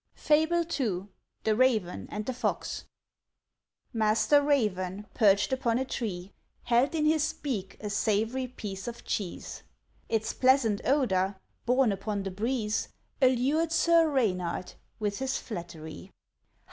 FABLE II. THE RAVEN AND THE FOX. Master Raven, perched upon a tree, Held in his beak a savoury piece of cheese; Its pleasant odour, borne upon the breeze, Allured Sir Reynard, with his flattery.